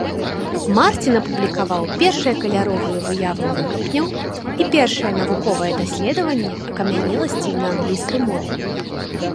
Марцін апублікаваў першыя каляровыя выявы выкапняў і першае навуковае даследаванне акамянеласцей на англійскай мове.